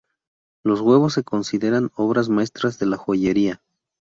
Los huevos se consideran obras maestras de la joyería.